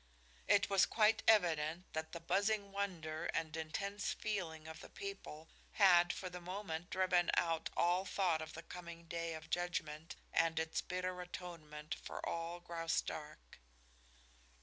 It was quite evident that the buzzing wonder and intense feeling of the people had for the moment driven out all thought of the coming day of judgment and its bitter atonement for all Graustark.